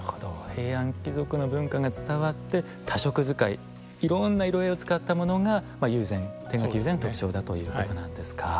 平安貴族の文化が伝わって多色使いいろんな色合いを使ったものが友禅手描き友禅の特徴だということなんですか。